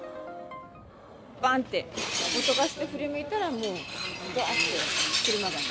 ばんって音がして、振り向いたらもう、ぶあーって車が。